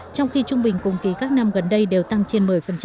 trong khi trung bình cùng ký các năm gần đây đều tăng trên một mươi